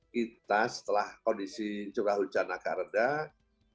kita setelah kondisi curah hujan agak rendah